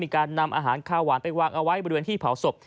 การนำอาหารข้าวหวานไปวางเอาไว้บริเวณที่เผาศพ